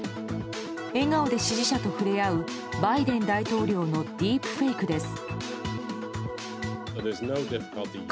笑顔で支持者と触れ合うバイデン大統領のディープフェイクです。